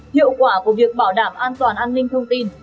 hiệu quả của việc bảo đảm an toàn an ninh thông tin